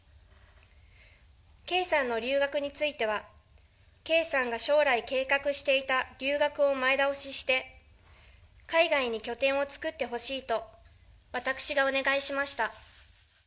圭さんの留学については、圭さんが将来計画していた留学を前倒しして、海外に拠点を作ってほしいと、私がお願いしました。